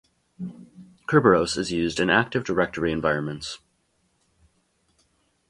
Kerberos is used in Active Directory Environments.